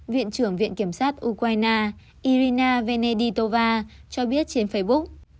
viện trưởng viện kiểm sát ukraine irina venezitova cho biết trên facebook